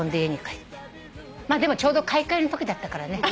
まあでもちょうど買い替えのときだったからね。